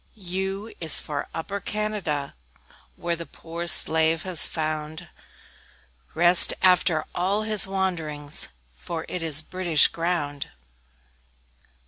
U U is for Upper Canada, Where the poor slave has found Rest after all his wanderings, For it is British ground!